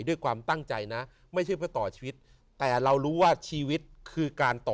ด้วยความตั้งใจนะไม่ใช่เพื่อต่อชีวิตแต่เรารู้ว่าชีวิตคือการต่อ